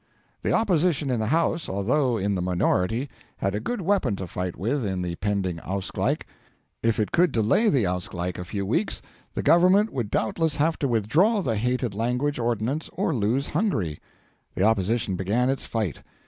The Opposition in the House, although in the minority, had a good weapon to fight with in the pending Ausgleich. If it could delay the Ausgleich a few weeks, the Government would doubtless have to withdraw the hated language ordinance or lose Hungary. The Opposition began its fight.